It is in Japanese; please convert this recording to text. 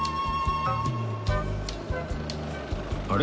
あれ？